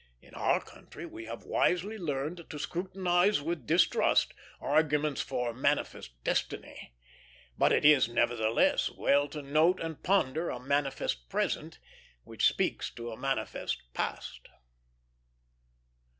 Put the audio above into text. In our country we have wisely learned to scrutinize with distrust arguments for manifest destiny; but it is, nevertheless, well to note and ponder a manifest present, which speaks to a manifest past.